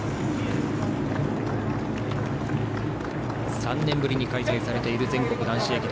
３年ぶりに開催されている全国男子駅伝。